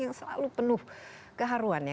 yang selalu penuh keharuannya